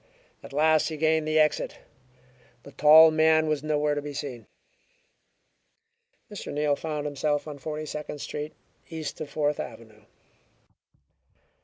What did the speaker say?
At last he gained the exit. The tall man was nowhere to be seen. Mr. Neal found himself on Forty Second Street, east of Fourth Avenue.